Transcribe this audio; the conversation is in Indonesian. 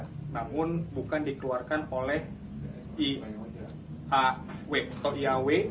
namun bukan dikeluarkan oleh iaw